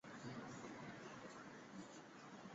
随后该公司出资对大楼进行修复。